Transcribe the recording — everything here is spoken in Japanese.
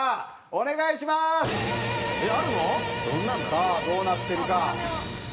さあどうなってるか？